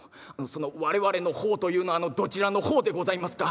その『我々の方』というのはどちらの方でございますか？」。